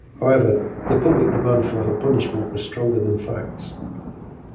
However, the public demand for her punishment was stronger than facts.